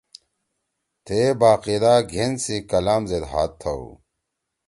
تھیئے باقایدہ گھین سی کلام زید ہاتھ تھؤ۔